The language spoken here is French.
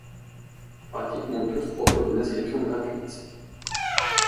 Pratiquement tous proposent une inscription gratuite.